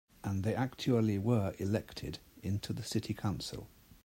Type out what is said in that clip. And they actually were elected into the city council.